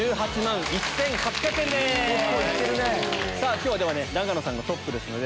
今日永野さんがトップですので。